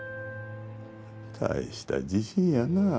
大した自信やなぁ。